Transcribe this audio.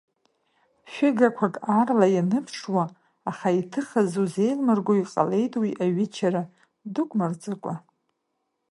Шәыгақәак аарла ианыԥшуа, аха иҭыхыз узеилмырго иҟалеит уи аҩычара, дук мырҵыкәа.